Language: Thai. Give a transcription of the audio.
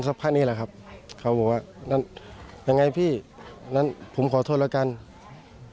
สักพักเขาก็เดินเข้าข้างน้ำเขาก็เดินออกมาข้างนอก